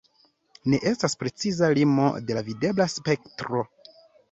Ne estas preciza limo de la videbla spektro.